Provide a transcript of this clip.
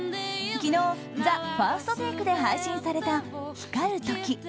昨日、「ＴＨＥＦＩＲＳＴＴＡＫＥ」で配信された「光るとき」。